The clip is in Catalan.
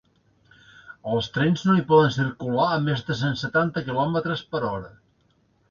Els trens no hi poden circular a més de cent setanta quilòmetres per hora.